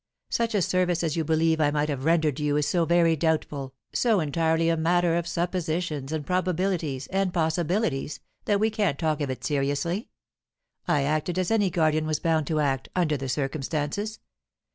Such a service as you believe I might have rendered you is so very doubtful, so entirely a matter of suppositions and probabilities and possibilities, that we can't talk of it seriously. I acted as any guardian was bound to act, under the circumstances.